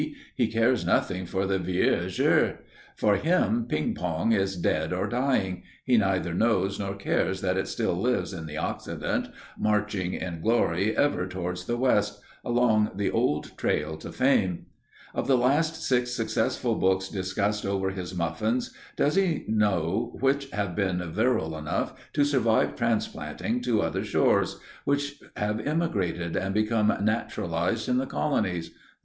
He cares nothing for the vieux jeu. For him, ping pong is dead or dying he neither knows nor cares that it still lives in the Occident, marching in glory ever towards the West, along the old trail to fame. Of the last six successful books discussed over his muffins, does he know which have been virile enough to survive transplanting to other shores which have emigrated and become naturalized in the colonies?